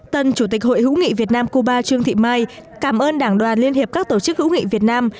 tân chủ tịch hội hữu nghị việt nam cuba trương thị mai cảm ơn đảng đoàn liên hiệp các tổ chức hữu nghị việt nam